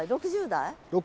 ６０代？